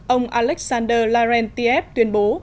ông alexander laurentiev tuyên bố